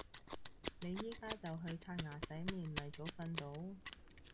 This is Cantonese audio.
你而家就去刷牙洗面咪早瞓到